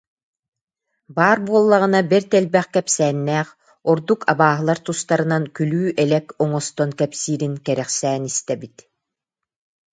Баар буоллаҕына бэрт элбэх кэпсээннээх, ордук абааһылар тустарынан күлүү-элэк оҥостон кэпсиирин кэрэхсээн истэбит